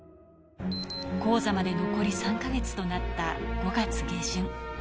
高座まで残り３か月となった５月下旬。